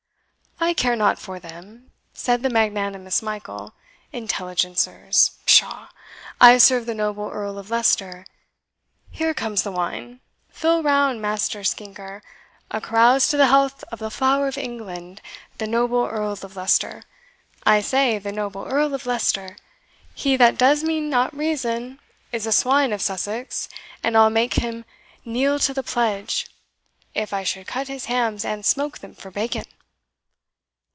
"I care not for them," said the magnanimous Michael "intelligencers? pshaw! I serve the noble Earl of Leicester. Here comes the wine. Fill round, Master Skinker, a carouse to the health of the flower of England, the noble Earl of Leicester! I say, the noble Earl of Leicester! He that does me not reason is a swine of Sussex, and I'll make him kneel to the pledge, if I should cut his hams and smoke them for bacon."